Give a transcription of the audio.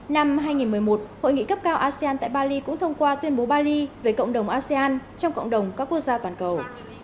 năm hai nghìn một mươi một hội nghị cấp cao asean tại bali cũng thông qua tuyên bố bali về cộng đồng asean trong cộng đồng các quốc gia toàn cầu